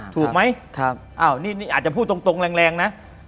ถูกไหมนี่อาจจะพูดตรงแรงนะ